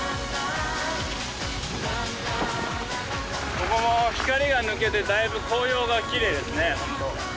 ここも光が抜けてだいぶ紅葉がきれいですね本当。